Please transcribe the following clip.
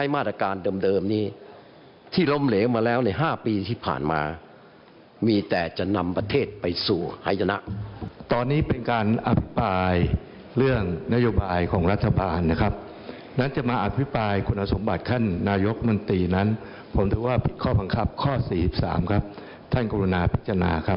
มาแก้ปัญหาเศรษฐกิจ